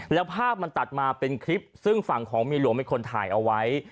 แล้วภาพมันตัดมาเป็นคลิปซึ่งฝั่งของเมียหลวงเป็นคนถ่ายเอาไว้